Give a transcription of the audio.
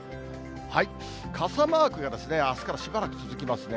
傘マークがあすからしばらく続きますね。